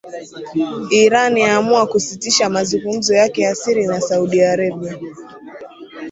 Iran yaamua kusitisha mazungumzo yake ya siri na Saudi Arabia